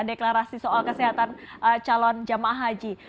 deklarasi soal kesehatan calon jemaah haji